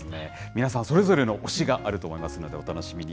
皆さん、それぞれの推しがあると思いますので、お楽しみに。